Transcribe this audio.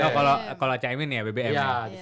kalau acaimin ya bbm